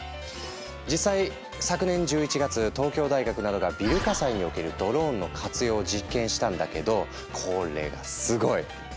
実際昨年１１月東京大学などがビル火災におけるドローンの活用を実験したんだけどこれがすごい！